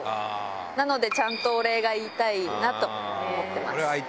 なのでちゃんとお礼が言いたいなと思ってます。